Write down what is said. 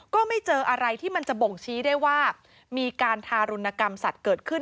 ก็ไม่เจออะไรที่มันจะบ่งชี้ได้ว่ามีการทารุณกรรมสัตว์เกิดขึ้น